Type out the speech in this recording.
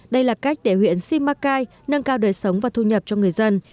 đây là cách để huyện simacai nâng cao đời sống và thu nhập cho người dân